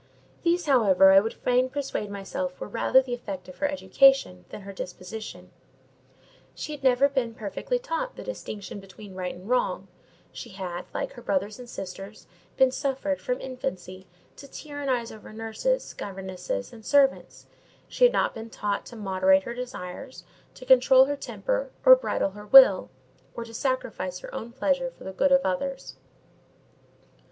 These, however, I would fain persuade myself were rather the effect of her education than her disposition: she had never been perfectly taught the distinction between right and wrong; she had, like her brothers and sisters, been suffered, from infancy, to tyrannize over nurses, governesses, and servants; she had not been taught to moderate her desires, to control her temper or bridle her will, or to sacrifice her own pleasure for the good of others.